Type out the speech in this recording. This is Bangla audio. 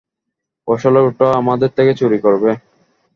আসলেই ওটা আমাদের থেকে চুরি করবে?